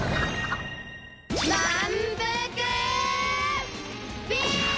まんぷくビーム！